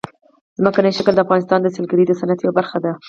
ځمکنی شکل د افغانستان د سیلګرۍ د صنعت یوه برخه ده.